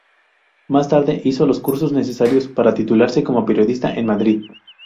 Más tarde hizo los cursos necesarios para titularse como periodista en Madrid.